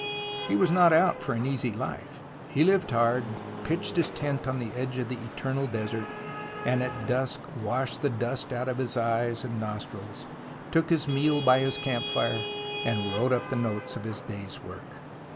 He was not out for an easy life. He lived hard, pitched his tent on the edge of the eternal desert, and at dusk washed the dust out of his eyes and nostrils, took his meal by his camp fire, and wrote up the notes of his day's work.